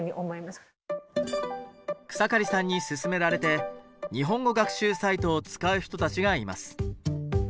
草刈さんに薦められて日本語学習サイトを使う人たちがいます。